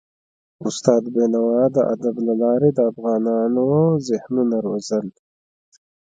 استاد بينوا د ادب له لارې د افغانونو ذهنونه روزل.